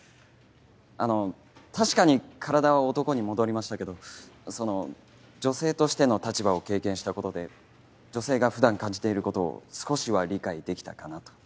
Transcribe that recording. あの確かに体は男に戻りましたけどその女性としての立場を経験したことで女性が普段感じていることを少しは理解できたかなと。